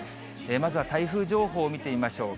まずは台風情報を見てみましょう。